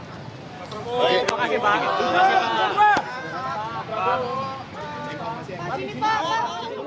terima kasih pak